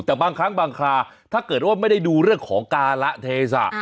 แต่บางครั้งบางคราถ้าเกิดว่าไม่ได้ดูเรื่องของการละเทศะ